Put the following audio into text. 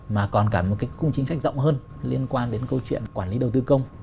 mà còn cả một cái khung chính sách rộng hơn liên quan đến câu chuyện quản lý đầu tư công